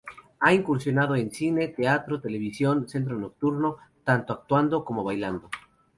Ha incursionado en cine, teatro, televisión, centro nocturno, tanto actuando como bailando.